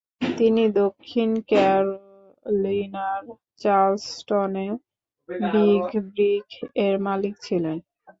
তিনি দক্ষিণ ক্যারোলিনার চার্লসটনে "big brick" এর মালিক ছিলেন।